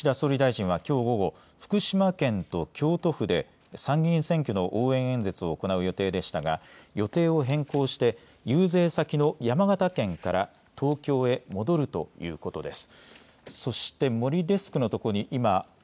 今、官邸からもお伝えしましたように岸田総理大臣は、きょう午後福島県と京都府で参議院選挙の応援演説を行う予定でしたが予定を変更して遊説先の山形県から東京へ戻るということです。